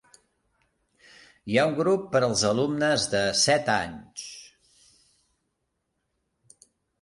Hi ha un grup per als alumnes de set anys.